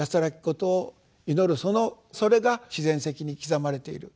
そのそれが自然石に刻まれている。